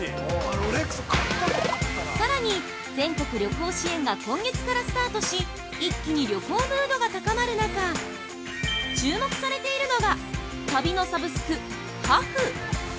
さらに、全国旅行支援が今月からスタートし一気に旅行ムードが高まる中注目されているのが、旅のサブスク、ＨａｆＨ